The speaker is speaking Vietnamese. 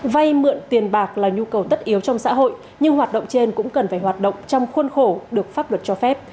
vay mượn tiền bạc là nhu cầu tất yếu trong xã hội nhưng hoạt động trên cũng cần phải hoạt động trong khuôn khổ được pháp luật cho phép